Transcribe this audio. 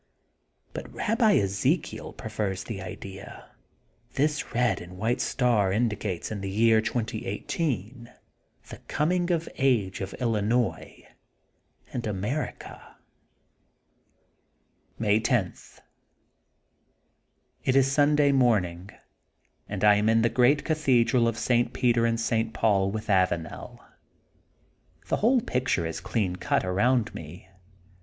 '' But Rabbi Ezekiel prefers the idea that this red and white star indicates in the year 2018 the coming of age of Illinois and Amer^ ica. May 10: — ^It is Sunday morning, and I am in the Great Cathedral of St. Peter and St. Paul with Avanel. The whole picture is clean cut around me.